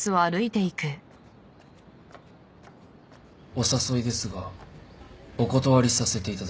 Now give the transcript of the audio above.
お誘いですがお断りさせていただきます。